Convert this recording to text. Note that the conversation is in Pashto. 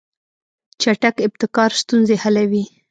چټک ابتکار ستونزې حلوي.